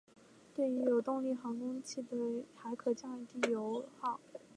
对于有动力航空器来说还可降低油耗。